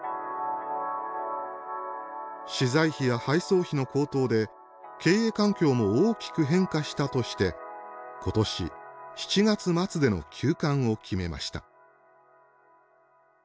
資材費や配送費の高騰で経営環境も大きく変化したとして今年７月末での休刊を決めました。